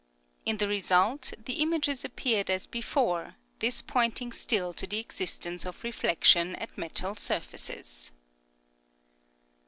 In the result the images appeared as before, this pointing still to the existence of reflection at metal surfaces.